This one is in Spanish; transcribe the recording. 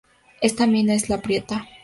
Esta mina es "La Prieta".